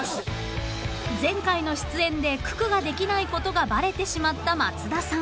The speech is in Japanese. ［前回の出演で九九ができないことがバレてしまった松田さん］